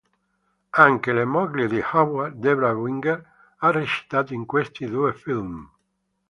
Anche la moglie di Howard, Debra Winger, ha recitato in questi due film.